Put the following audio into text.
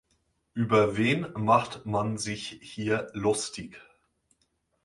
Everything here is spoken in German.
Über wen macht man sich hier lustig?